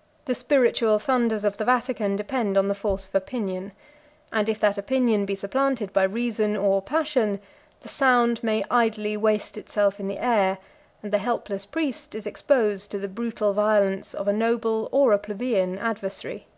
] The spiritual thunders of the Vatican depend on the force of opinion; and if that opinion be supplanted by reason or passion, the sound may idly waste itself in the air; and the helpless priest is exposed to the brutal violence of a noble or a plebeian adversary.